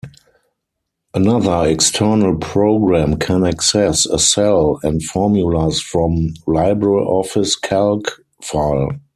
Another external program can access a cell and formulas from LibreOffice Calc file.